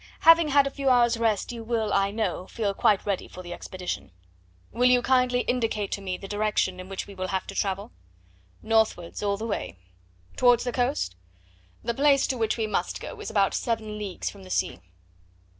Having had a few hours' rest you will, I know, feel quite ready for the expedition. Will you kindly indicate to me the direction in which we will have to travel?" "Northwards all the way." "Towards the coast?" "The place to which we must go is about seven leagues from the sea."